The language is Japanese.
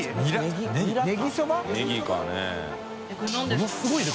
ものすごいね